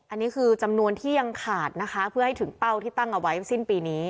อันนี้คือจำนวนที่ยังขาดนะคะเพื่อให้ถึงเป้าที่ตั้งเอาไว้สิ้นปีนี้